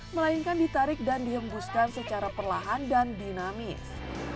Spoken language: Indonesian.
melainkan ditarik dan dihembuskan secara perlahan dan dinamis